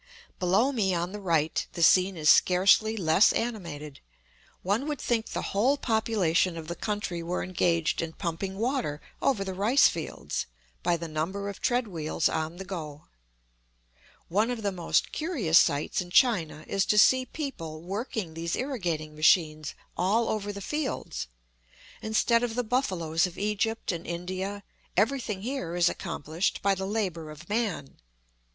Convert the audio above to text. Below me on the right the scene is scarcely less animated; one would think the whole population of the country were engaged in pumping water over the rice fields, by the number of tread wheels on the go. One of the most curious sights in China is to see people working these irrigating machines all over the fields. Instead of the buffaloes of Egypt and India, everything here is accomplished by the labor of man.